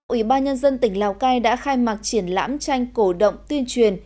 ủy ban nhân dân tỉnh lào cai đã khai mạc triển lãm tranh cổ động tuyên truyền